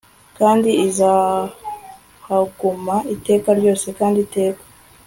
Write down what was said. Kandi izahaguma iteka ryose kandi iteka